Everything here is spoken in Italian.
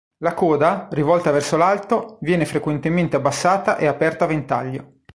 La coda, rivolta verso l'alto, viene frequentemente abbassata e aperta a ventaglio.